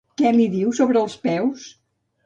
Què li diu sobre els peus?